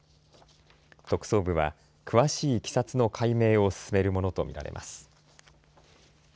特捜部は詳しいいきさつの解明を進めるものと見られます。